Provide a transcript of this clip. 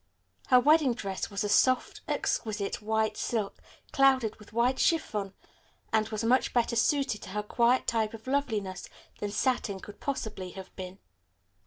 Her wedding dress was of soft, exquisite white silk, clouded with white chiffon, and was much better suited to her quiet type of loveliness than satin could possibly have been.